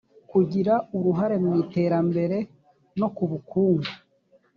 kugira uruhare mu iterambere no ku bukungu